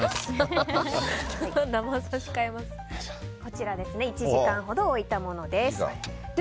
こちら、１時間ほど置いたものです。